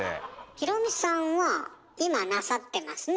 ひろみさんは今なさってますね。